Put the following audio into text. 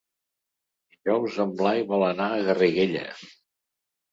Dijous en Blai vol anar a Garriguella.